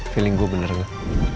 feeling gua bener gak